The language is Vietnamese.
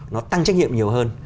nó tăng trách nhiệm nhiều hơn